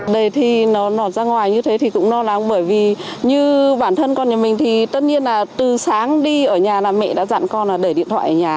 đề thi nó lọt ra ngoài như thế thì cũng lo lắng bởi vì như bản thân con nhà mình thì tất nhiên là từ sáng đi ở nhà là mẹ đã dặn con là để điện thoại ở nhà